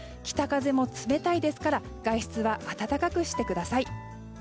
北風も冷たいですから外出は暖かくしてください。